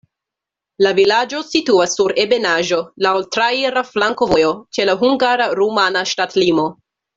La vilaĝo situas sur ebenaĵo, laŭ traira flankovojo, ĉe la hungara-rumana ŝtatlimo.